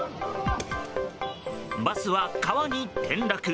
バスは川に転落。